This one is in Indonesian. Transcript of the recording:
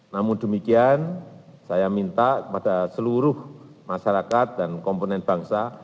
namun demikian saya minta kepada seluruh masyarakat dan komponen bangsa